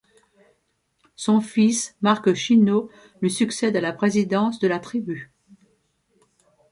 Son fils, Mark Chino, lui succède à la présidence de la tribu.